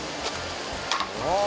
ああ！